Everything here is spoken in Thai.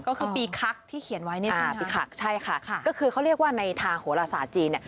ก็คือปีคักที่เขียนไว้เนี่ยค่ะปีคักใช่ค่ะก็คือเขาเรียกว่าในทางโหลศาสตร์จีนเนี่ย